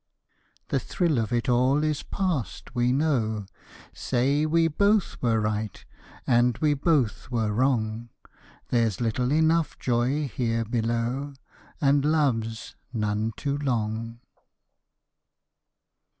The thrill of it all is past we know, Say we both were right, And we both were wrong, There's little enough joy here below, And love's none too long.